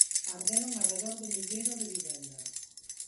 Arderon arredor dun milleiro de vivendas.